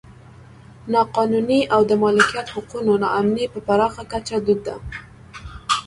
نا قانوني او د مالکیت حقونو نا امني په پراخه کچه دود ده.